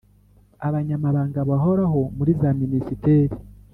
abanyamabanga bahoraho muri za minisiteri,